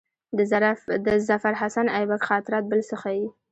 د ظفرحسن آیبک خاطرات بل څه ښيي.